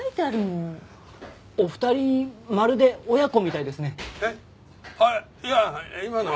いや今のは。